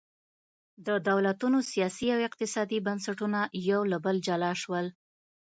د دولتونو سیاسي او اقتصادي بنسټونه له یو بل جلا شول.